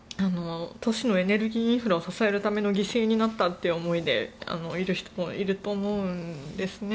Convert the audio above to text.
都市のエネルギーインフラを支えるための犠牲になったという思いでいる人もいると思うんです。